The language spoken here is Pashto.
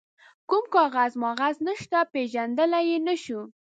کوم کاغذ ماغذ نشته، پيژندلای يې نه شو.